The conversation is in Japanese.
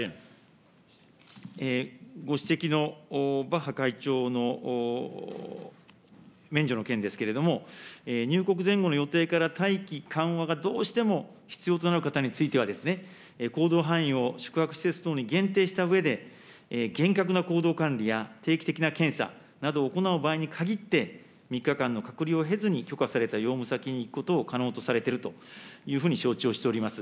ご指摘のバッハ会長の免除の件ですけれども、入国前後の予定から待機、緩和がどうしても必要となる方についてはですね、行動範囲を宿泊施設等に限定したうえで、厳格な行動管理や、定期的な検査などを行う場合に限って、３日間の隔離を経ずに、許可された用務先に行くことを可能とされているというふうに承知をしております。